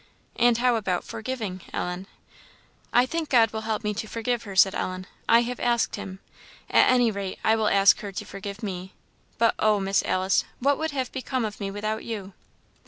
"And how about forgiving, Ellen?" "I think God will help me to forgive her," said Ellen; "I have asked him. At any rate I will ask her to forgive me. But oh! Miss Alice, what would have become of me without you!"